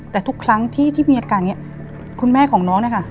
แต่ทุกครั้งที่ที่มีอาการเนี้ยคุณแม่ของน้องเนี้ยค่ะ